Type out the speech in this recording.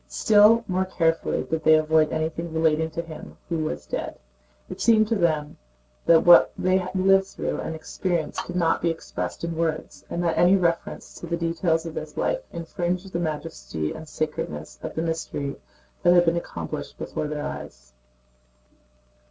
Still more carefully did they avoid anything relating to him who was dead. It seemed to them that what they had lived through and experienced could not be expressed in words, and that any reference to the details of his life infringed the majesty and sacredness of the mystery that had been accomplished before their eyes.